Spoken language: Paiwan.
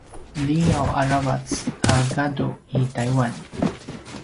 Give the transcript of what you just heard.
liyaw a ravac a gadu i taiwan